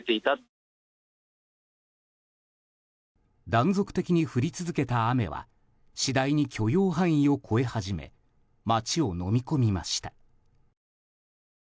断続的に降り続けた雨は次第に許容範囲を超え始め街をのみ込みました。